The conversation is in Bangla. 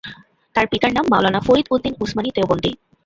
তাঁর পিতার নাম মাওলানা ফরিদ উদ্দিন উসমানী দেওবন্দি।